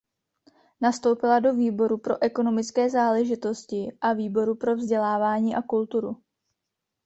Nastoupila do výboru pro ekonomické záležitosti a výboru pro vzdělávání a kulturu.